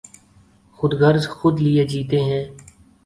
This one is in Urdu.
خود غرض خود لئے جیتے ہیں۔